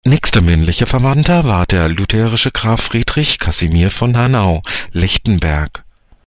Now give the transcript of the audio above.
Nächster männlicher Verwandter war der lutherische Graf Friedrich Casimir von Hanau-Lichtenberg.